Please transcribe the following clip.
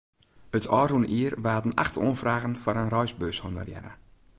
It ôfrûne jier waarden acht oanfragen foar in reisbeurs honorearre.